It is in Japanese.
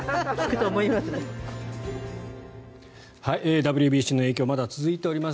ＷＢＣの影響まだ続いております。